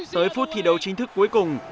tới phút thi đấu chính thức cuối cùng